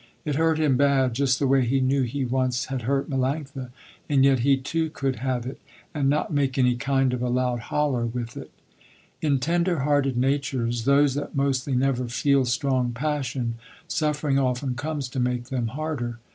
It hurt him bad, just the way he knew he once had hurt Melanctha, and yet he too could have it and not make any kind of a loud holler with it. In tender hearted natures, those that mostly never feel strong passion, suffering often comes to make them harder.